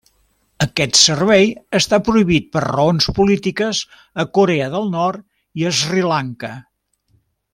Aquest servei està prohibit per raons polítiques a Corea del Nord i Sri Lanka.